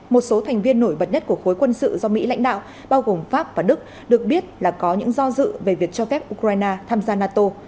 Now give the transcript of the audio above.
một số thành viên nổi bật nhất của khối quân sự do mỹ lãnh đạo bao gồm pháp và đức được biết là có những do dự về việc cho phép ukraine tham gia nato